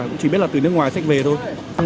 cũng chỉ biết là từ nước ngoài sách về thôi